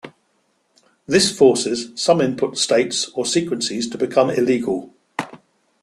This forces some input states or sequences to become illegal.